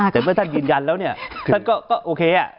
แต่เมื่อท่านยืนยันแล้วเนี่ยท่านก็โอเค